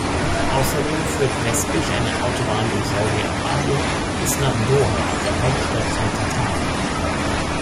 Außerdem führt westlich eine Autobahn durch Saudi-Arabien bis nach Doha, der Hauptstadt von Katar.